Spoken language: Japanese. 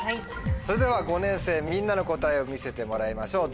それでは５年生みんなの答えを見せてもらいましょう。